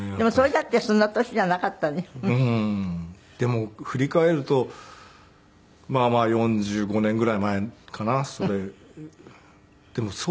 でも振り返るとまあまあ４５年ぐらい前かなそれ。